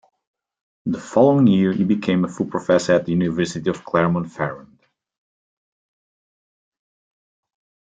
The following year he became a full professor at the University of Clermont-Ferrand.